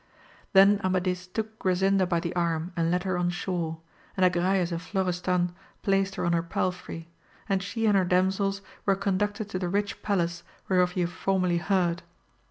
Then Amadis took Grasinda by the arm, and led her on shore, and Agrayes and Florestan placed her on her palfrey, and she and her damsels were conducted to the rich palace whereof you have formerly heard.